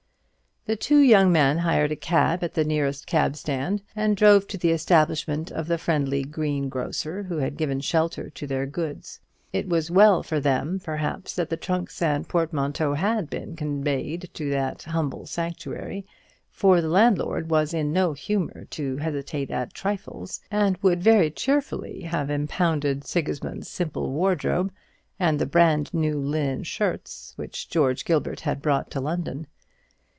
The young men hired a cab at the nearest cab stand, and drove to the establishment of the friendly greengrocer who had given shelter to their goods. It was well for them, perhaps, that the trunks and portmanteau had been conveyed to that humble sanctuary; for the landlord was in no humour to hesitate at trifles, and would have very cheerfully impounded Sigismund's simple wardrobe, and the bran new linen shirts which George Gilbert had brought to London.